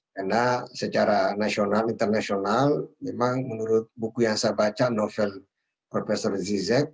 karena secara nasional internasional memang menurut buku yang saya baca novel profesor zizek